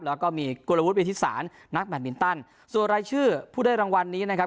แล้วก็มีกลวุฒวิทิสารนักแบตมินตันส่วนรายชื่อผู้ได้รางวัลนี้นะครับ